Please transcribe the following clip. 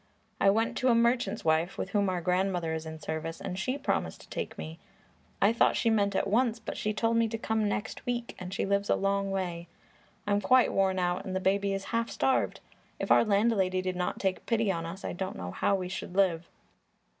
I went to a merchant's wife with whom our grandmother is in service and she promised to take me. I thought she meant at once, but she told me to come next week, and she lives a long way. I'm quite worn out, and the baby is half starved. If our landlady did not take pity on us, I don't know how we should live."